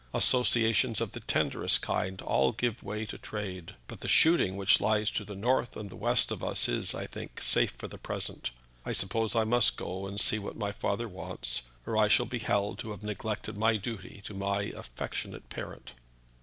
Associations of the tenderest kind must all give way to trade. But the shooting which lies to the north and west of us is, I think, safe for the present. I suppose I must go and see what my father wants, or I shall be held to have neglected my duty to my affectionate parent."